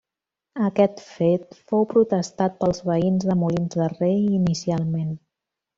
Aquest fet fou protestat pels veïns de Molins de Rei inicialment.